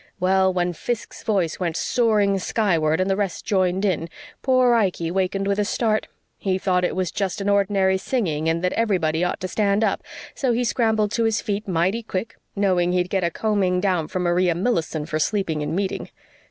Well, when Fiske's voice went soaring skyward and the rest joined in, poor Ikey wakened with a start. He thought it was just an ordinary singing and that everybody ought to stand up, so he scrambled to his feet mighty quick, knowing he'd get a combing down from Maria Millison for sleeping in meeting.